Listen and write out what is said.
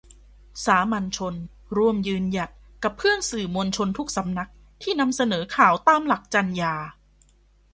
สามัญชน ร่วมยืนหยัด กับเพื่อนสื่อมวลชนทุกสำนัก ที่นำเสนอข่าวตามหลักจรรยา